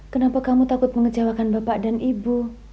kenapa kamu takut mengecewakan bapak dan ibu